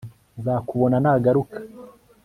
Nzakubona nagaruka